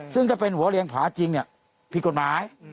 ซึ่งถ้าเป็นหัวเรียงผาจริงผิดกฎหมาย